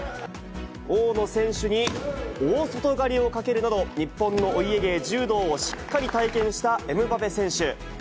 大野選手に大外刈りをかけるなど、日本のお家芸、柔道をしっかり体験したエムバペ選手。